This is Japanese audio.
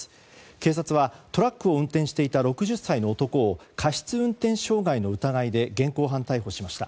警察はトラックを運転していた６０歳の男を過失運転傷害の疑いで現行犯逮捕しました。